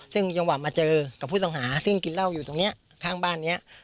ซึ่งจังหวะมาเจอกับผู้ต้องหาซึ่งกินเหล้าอยู่ตรงนี้ข้างบ้านนี้